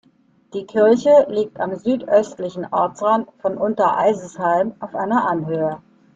Die Kirche liegt am südöstlichen Ortsrand von Untereisesheim auf einer Anhöhe.